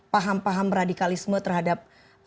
paham paham radikalisme terhadap